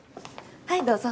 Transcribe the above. はいどうぞ。